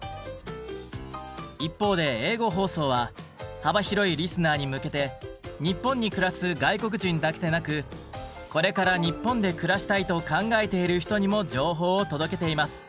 一方で英語放送は幅広いリスナーに向けて日本に暮らす外国人だけでなく「これから日本で暮らしたいと考えている人」にも情報を届けています。